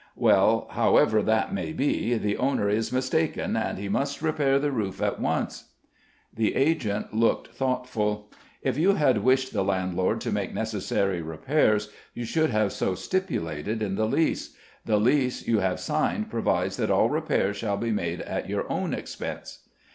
"Well, however that may be, the owner is mistaken, and he must repair the roof at once." The agent looked thoughtful. "If you had wished the landlord to make necessary repairs, you should have so stipulated in the lease. The lease you have signed provides that all repairs shall be made at your own expense."